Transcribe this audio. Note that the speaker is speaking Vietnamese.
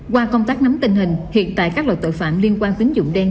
qua công tác nắm tình hình hiện tại các loại tội phạm liên quan tính dụng đen